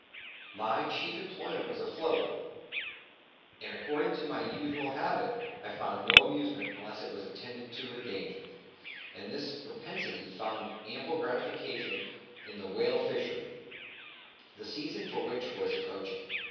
My chief employment was afloat, and according to my usual habit, I found no amusement unless it was attended with danger; and this propensity found ample gratification in the whale fishery, the season for which was just approaching.